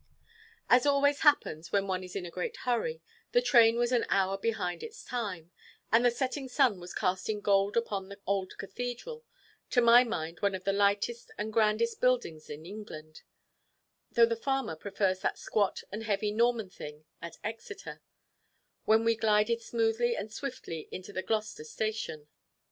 As always happens, when one is in a great hurry, the train was an hour behind its time, and the setting sun was casting gold upon the old cathedral to my mind one of the lightest and grandest buildings in England, though the farmer prefers that squat and heavy Norman thing at Exeter when we glided smoothly and swiftly into the Gloucester Station.